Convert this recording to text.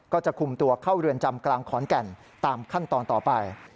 ก็จะคุมตัวเข้าเรือนจำกลางขอนแก่นตามขั้นตอนต่อไป